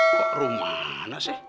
kok rumana sih